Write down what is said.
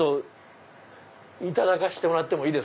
いただかせてもらっても。